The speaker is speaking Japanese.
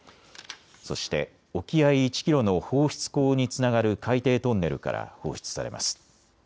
そして沖合１キロの放出口につながる海底トンネルから放出されます。